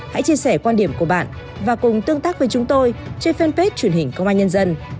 hãy chia sẻ quan điểm của bạn và cùng tương tác với chúng tôi trên fanpage truyền hình công an nhân dân